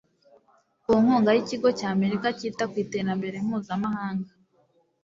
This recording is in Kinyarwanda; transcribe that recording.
ku nkunga y ikigo cy amerika cyita ku iterambere mpuzamahanga